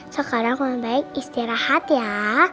sekarang lebih baik istirahat ya